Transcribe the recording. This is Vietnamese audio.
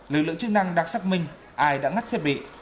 lực lượng chức năng đặc sắc minh ai đã ngắt thiết bị